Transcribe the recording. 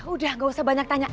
udah gak usah banyak tanya